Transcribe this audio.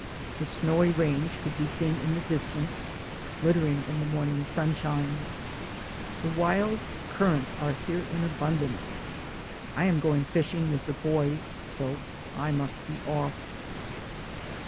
The snowy range could be seen in the distance, glittering in the morn ing sunshine. The wild currants are here in abundance. I am going fishing with the boys, so I must be off.